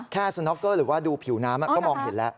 สน็อกเกอร์หรือว่าดูผิวน้ำก็มองเห็นแล้ว